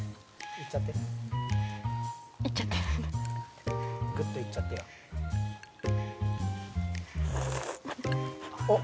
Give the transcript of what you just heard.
・いっちゃって・いっちゃって・グッといっちゃってよ・おっ！